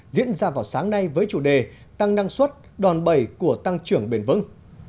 diễn ra vào sáng nay với chủ đề tăng năng suất đòn bẩy của tăng trưởng bền vững